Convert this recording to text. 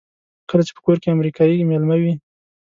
کله چې په کور کې امریکایی مېلمه وي.